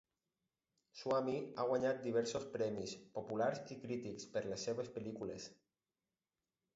Swamy ha guanyat diversos premis, populars i crítics, per les seves pel·lícules.